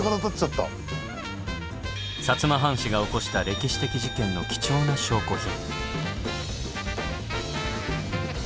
摩藩士が起こした歴史的事件の貴重な証拠品。